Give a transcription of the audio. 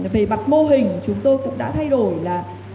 về mặt mô hình chúng tôi cũng đã thay đổi là